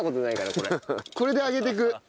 これで上げてく。